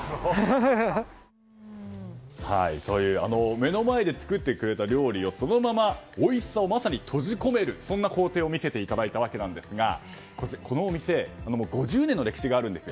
目の前で作ってくれた料理をそのままおいしさを、まさに閉じ込めるそんな工程を見せていただいたわけですがこのお店５０年の歴史があるんです。